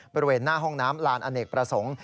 บริเวณหน้าห้องน้ำลานอเนกประสงค์